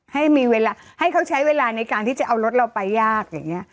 ให้มีเวลาให้เขาใช้เวลาในการที่จะเอารถเราไปยากอย่างนี้